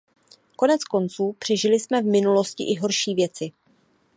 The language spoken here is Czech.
Konec konců přežili jsme v minulosti i horší věci.